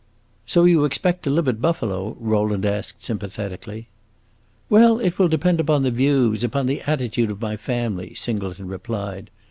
"So you expect to live at Buffalo?" Rowland asked sympathetically. "Well, it will depend upon the views upon the attitude of my family," Singleton replied.